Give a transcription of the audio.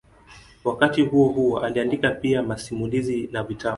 Wakati huohuo aliandika pia masimulizi na vitabu.